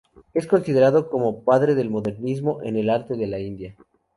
Es considerado como el padre del modernismo en el arte de la India.